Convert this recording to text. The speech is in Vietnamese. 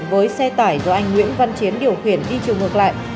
với xe tải do anh nguyễn văn chiến điều khiển đi chiều ngược lại